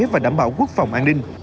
và đảm bảo quốc phòng an ninh